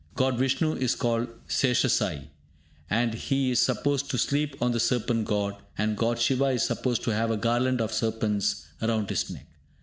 God Vishnu is called Seshasayee, as he is supposed to sleep on the Serpent God; and God Siva is supposed to have a garland of serpents round his neck!